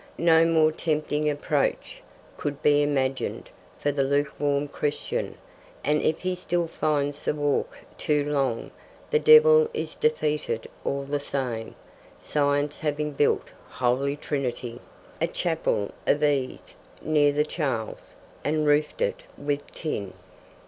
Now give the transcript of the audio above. No more tempting approach could be imagined for the luke warm Christian, and if he still finds the walk too long, the devil is defeated all the same, Science having built Holy Trinity, a Chapel of Ease, near the Charles', and roofed it with tin.